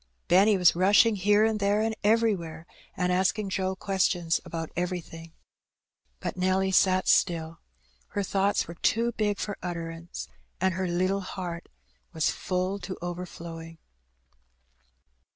Benny was rushing here and there and everywhere^ and asking Joe questions about everything. But Nelly sat still. Her thoughts were too big for utterance^ and her little heart was full to overflowing.